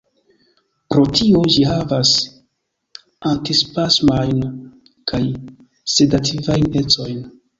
Pro tio ĝi havas antispasmajn kaj sedativajn ecojn.